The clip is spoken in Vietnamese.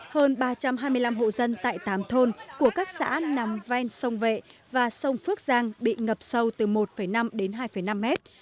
hơn ba trăm hai mươi năm hộ dân tại tám thôn của các xã nằm ven sông vệ và sông phước giang bị ngập sâu từ một năm đến hai năm mét